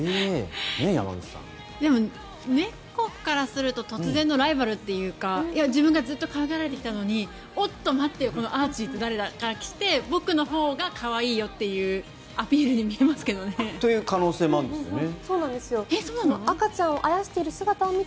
でも猫からすると突然のライバルというか自分がずっと可愛がられてきたのにおっと、待ってよこのアーチーって誰だってなって僕のほうが可愛いよっていうアピールに見えますけどね。という可能性もあるんですよね。